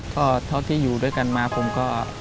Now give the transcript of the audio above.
ก็เท่าที่อยู่ด้วยกันมาผมก็